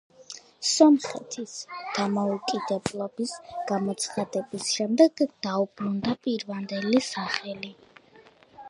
სომხეთის დამოუკიდებლობის გამოცხადების შემდეგ დაუბრუნდა პირვანდელი სახელი.